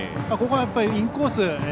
ここはインコース。